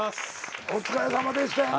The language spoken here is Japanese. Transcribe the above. お疲れさまでしたやな。